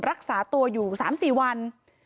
รักษาตัวอยู่๓๔วัน